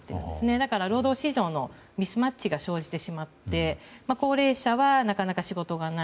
だから、労働市場のミスマッチが生じてしまって高齢者はなかなか仕事がない。